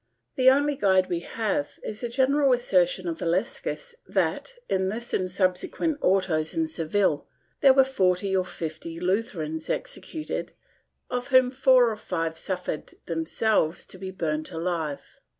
The only guide we have is the general assertion of Illescas that, in this and subsequent autos in Seville, there were forty or fifty Lutherans executed, of whom four or five suffered themselves to be burnt alive.